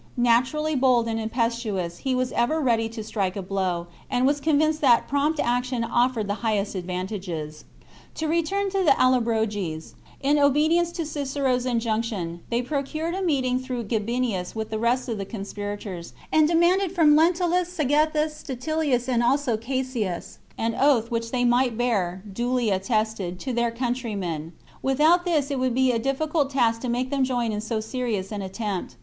Naturally bold and impetuous, he was ever ready to strike a blow, and was convinced that prompt action offered the highest advantages. xitv.* To return to the Allobroges ; in obedience to Cicero's THE CONSPIRACY OF CATILINE. 37 injunction, they procured a meeting through Gabinius chap with the rest of the conspirators, and demanded from Lentulus, Cethegus, Statilius, and also Cassius, an oath which they might bear, duly attested, to their countrymen. Without this it would be a difficult task to make them join in so serious an attempt.